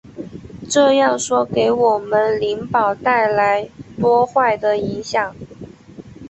这样说给我们灵宝带来多坏的影响！